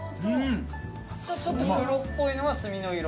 ちょっと黒っぽいのは墨の色？